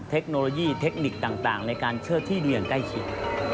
เทคโนโลยีเทคนิคต่างในการเชิดที่ดินอย่างใกล้ชิด